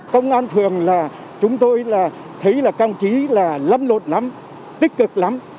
công an phường là chúng tôi là thấy là các ông chí là lâm lột lắm tích cực lắm